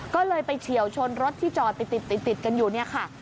ก็เลยไปเฉียวชนรถที่จอดติดกันอยู่เนี่ยค่ะ